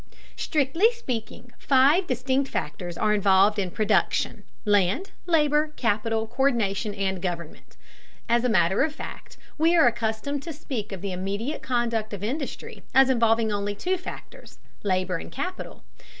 Strictly speaking, five distinct factors are involved in production: land, labor, capital, co÷rdination, and government. As a matter of fact, we are accustomed to speak of the immediate conduct of industry as involving only two factors: labor and capital.